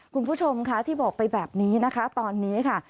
คุณผู้ชมค่ะที่บอกไปแบบนี้นะคะตอนนี้ค่ะ